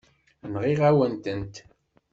Nɣiɣ-awen-tent.